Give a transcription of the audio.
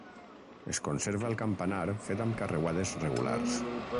Es conserva el campanar fet amb carreuades regulars.